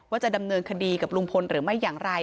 ว่าจะดำเนินคดีกับลุงพลหรือไม่อย่างไร